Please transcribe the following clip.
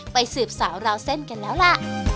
สืบสาวราวเส้นกันแล้วล่ะ